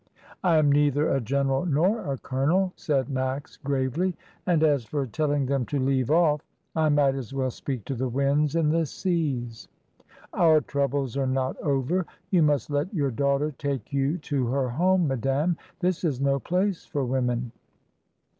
"I am neither a general nor a colonel," said Max gravely, "and as for telling them to leave off, I might as well speak to the winds and the seas. Our troubles are not over; you must let your daughter take you to her home, madame; this is no place for women.